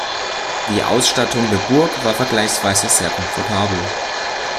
Die Ausstattung der Burg war vergleichsweise sehr komfortabel.